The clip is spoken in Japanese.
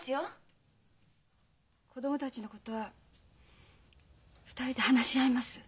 子供たちのことは２人で話し合います。